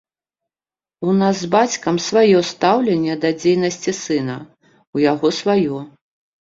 У нас з бацькам сваё стаўленне да дзейнасці сына, у яго сваё.